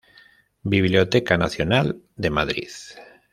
Biblioteca Nacional de Madrid.